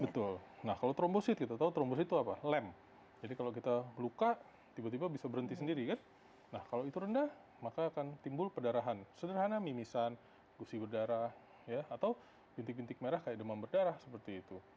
betul nah kalau trombosit kita tahu trombosit itu apa lem jadi kalau kita luka tiba tiba bisa berhenti sendiri kan nah kalau itu rendah maka akan timbul pedarahan sederhana mimisan gusi berdarah atau bintik bintik merah kayak demam berdarah seperti itu